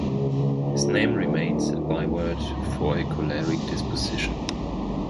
His name remains a byword for a choleric disposition.